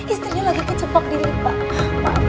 istrinya lagi kecepak diri pak